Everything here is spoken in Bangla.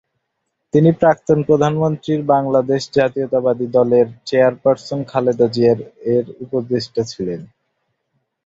তিনি প্রাক্তন প্রধানমন্ত্রীর বাংলাদেশ জাতীয়তাবাদী দলের চেয়ারপারসন খালেদা জিয়া এর উপদেষ্টা ছিলেন।